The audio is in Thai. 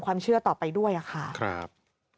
ไว้ค่ะครับ